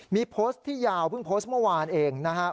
มีโพสต์ที่ยาวเพิ่งโพสต์เมื่อวานเองนะครับ